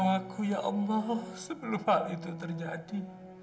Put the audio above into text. aku ya allah sebelum hal itu terjadi